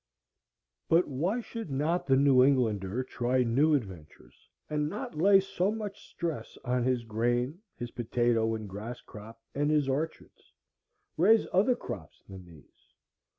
But why should not the New Englander try new adventures, and not lay so much stress on his grain, his potato and grass crop, and his orchards,—raise other crops than these?